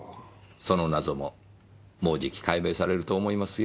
その謎ももうじき解明されると思いますよ。